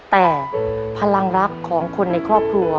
แต่พลังรักของคนในครอบครัว